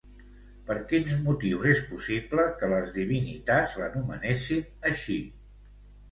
Per quins motius és possible que les divinitats l'anomenessin així?